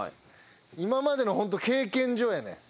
今までのホント経験上やねん。